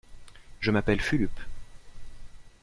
Je m’appelle Fulup.